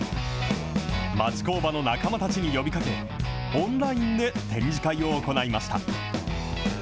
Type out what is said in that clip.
町工場の仲間たちに呼びかけ、オンラインで展示会を行いました。